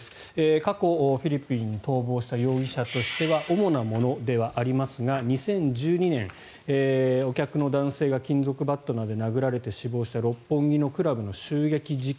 過去、フィリピンに逃亡した容疑者としては主なものではありますが２０１２年、お客の男性が金属バットなどで殴られて死亡した六本木のクラブの襲撃事件。